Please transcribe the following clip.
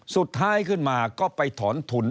สุดท้ายขึ้นมาก็ไปถอนทุน